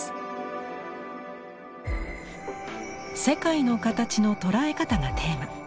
「世界の形の捉え方」がテーマ。